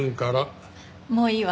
もういいわ。